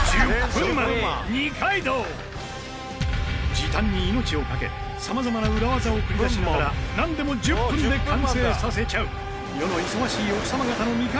時短に命を懸けさまざまな裏技を繰り出しながらなんでも１０分で完成させちゃう世の忙しい奥様方の味方